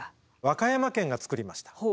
和歌山県が作りました。